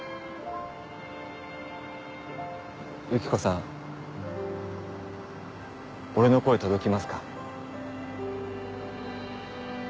ユキコさん俺の声届きますか？